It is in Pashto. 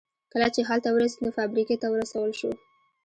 کله چې هلته ورسېد نو فابريکې ته ورسول شو.